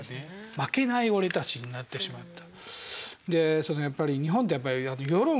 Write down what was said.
「負けない俺たち」になってしまった。